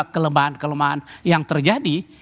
kelemahan kelemahan yang terjadi